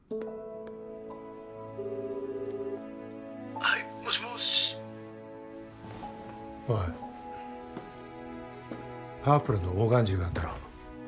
はいもしもしおいパープルのオーガンジーがあったろ